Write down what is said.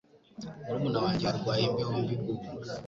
Murumuna wanjye arwaye imbeho mbi ubu.